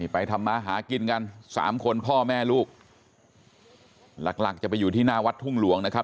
ทำมาหากินกันสามคนพ่อแม่ลูกหลักหลักจะไปอยู่ที่หน้าวัดทุ่งหลวงนะครับ